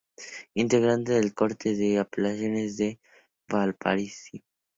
Integrante de la Corte de Apelaciones de Valparaíso.